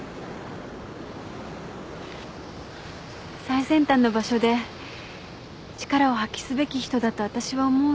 最先端の場所で力を発揮すべき人だとわたしは思うの。